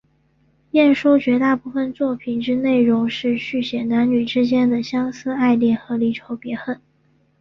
晏殊绝大部分作品之内容是抒写男女之间的相思爱恋和离愁别恨。